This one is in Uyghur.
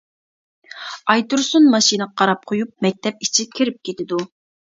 ئايتۇرسۇن ماشىنىغا قاراپ قويۇپ مەكتەپ ئىچىگە كىرىپ كېتىدۇ.